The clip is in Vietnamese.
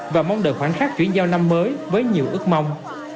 và mong đợi khoảnh khắc chuyển giao năm mới với nhiều ước mong